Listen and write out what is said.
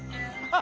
あ！